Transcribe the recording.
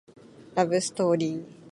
ラブストーリー